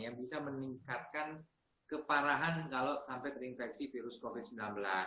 yang bisa meningkatkan keparahan kalau sampai terinfeksi virus covid sembilan belas